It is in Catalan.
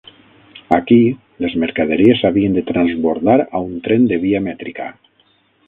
Aquí, les mercaderies s'havien de transbordar a un tren de via mètrica.